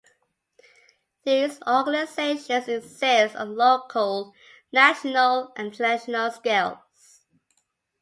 These organizations exist on local, national, and international scales.